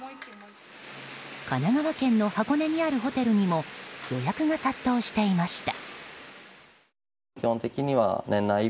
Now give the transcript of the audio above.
神奈川県の箱根にあるホテルにも予約が殺到していました。